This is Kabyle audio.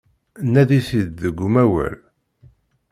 Nadi-t-id deg umawal.